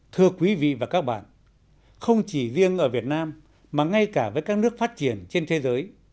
thưa quý vị và các bạn không chỉ riêng ở việt nam mà ngay cả với các nước phát triển trên thế giới